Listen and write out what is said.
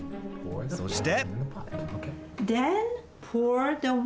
そして？